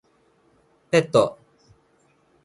ペット